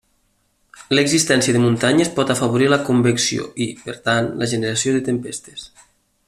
L’existència de muntanyes pot afavorir la convecció i, per tant, la generació de tempestes.